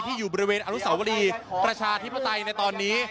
อยู่บริเวณอนุสาวรีประชาธิปไตยในตอนนี้